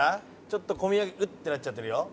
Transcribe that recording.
ちょっとこみ上げウッてなっちゃってるよ。